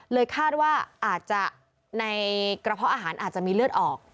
คาดว่าอาจจะในกระเพาะอาหารอาจจะมีเลือดออก